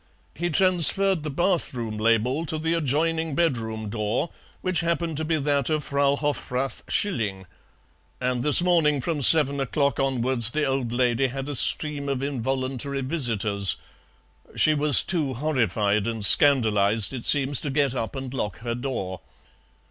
He transferred the bathroom label to the adjoining bedroom door, which happened to be that of Frau Hoftath Schilling, and this morning from seven o'clock onwards the old lady had a stream of involuntary visitors; she was too horrified and scandalized it seems to get up and lock her door.